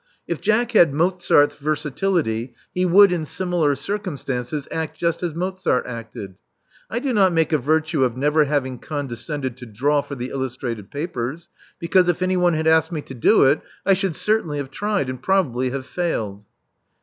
If Jack had Mozart's versatility, he would, in similar circumstances, act just as Mozart acted. I do not make a virtue of never having condescended to draw for the illustrated papers, because if anyone had asked me to do it, I should certainly have tried, and probably have failed."